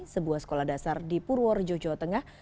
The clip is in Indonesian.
sebuah sekolah dasar di purwar jogja tengah